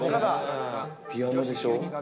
ピアノでしょ。